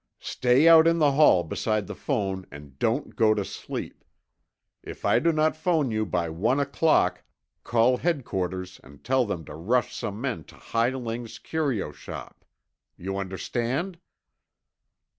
"Stay out in the hall beside the phone and don't go to sleep. If I do not phone you by one o'clock, call Headquarters and tell them to rush some men to Hi Ling's curio shop. You understand?"